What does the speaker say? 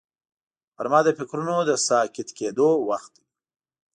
غرمه د فکرونو د ساکت کېدو وخت دی